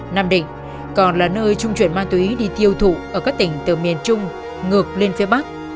nam định còn là nơi trung chuyển ma túy đi tiêu thụ ở các tỉnh từ miền trung ngược lên phía bắc